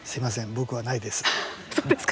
僕はないです。